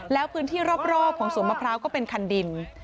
แล้วพื้นที่รอบของสวนมะพร้าวก็เป็นคันดิน